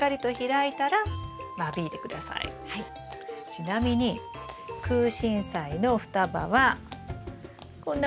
ちなみにクウシンサイの双葉はこんな双葉なんですよ。